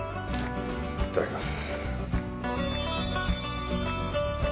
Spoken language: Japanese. いただきます。